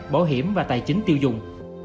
bảo hiểm và tài chính tiêu dùng